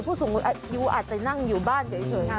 ผู้สูงอายุอาจจะนั่งอยู่บ้านเฉย